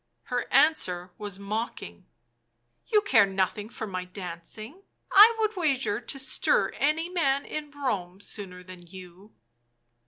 Her answer was mocking. "You care nothing for my dancing — I would wager to stir any man in Rome sooner than you!"